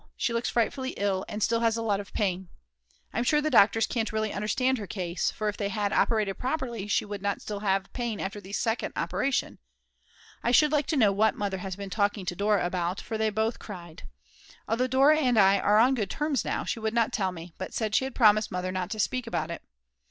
She looks frightfully ill and still has a lot of pain. I'm sure the doctors can't really understand her case; for if they had operated properly she would not still have pain after the second operation. I should like to know what Mother has been talking to Dora about, for they both cried. Although Dora and I are on good terms now, she would not tell me, but said she had promised Mother not to speak about it.